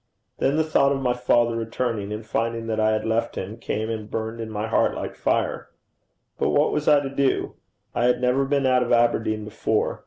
Then the thought of my father returning and finding that I had left him, came and burned in my heart like fire. But what was I to do? I had never been out of Aberdeen before.